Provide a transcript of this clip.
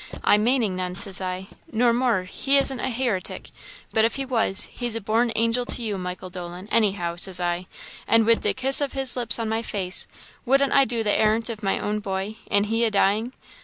'I'm maining none,' says I 'nor more, he isn't a hiritic; but if he was, he's a born angel to you, Michael Dolan, anyhow,' says I; 'an' wid the kiss of his lips on my face, wouldn't I do the arrant of my own boy, an' he a dying?